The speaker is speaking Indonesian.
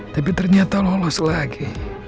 tapi ternyata lolos lagi